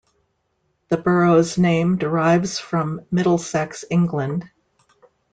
The borough's name derives from Middlesex, England.